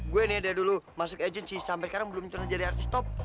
gue nih dari dulu masuk agency sampai sekarang belum pernah jadi artis top